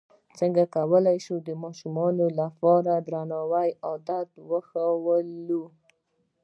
څنګه کولی شم د ماشومانو لپاره د درناوي عادت ښوول